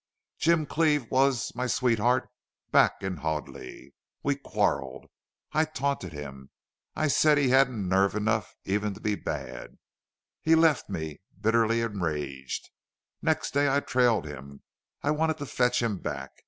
"Jim Cleve was my sweetheart back in Hoadley. We quarreled. I taunted him. I said he hadn't nerve enough even to be bad. He left me bitterly enraged. Next day I trailed him. I wanted to fetch him back....